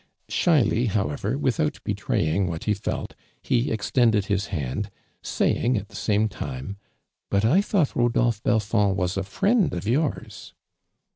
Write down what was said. Shyly, howevei', without ln^traying what he felt, he extemled his hand, saying at the same time: "But I thought Rodolphe Bel fon<l was a friend of yours